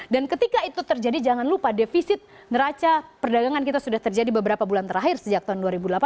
dan ketika itu terjadi jangan lupa defisit raca perdagangan kita sudah terjadi beberapa bulan terakhir sejak tahun dua ribu delapan belas